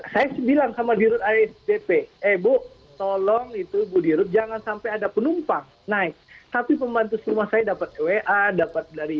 saya bilang sama dirut asdp eh bu tolong itu bu dirut jangan sampai ada penumpang naik tapi pembantu rumah saya dapat wa dapat dari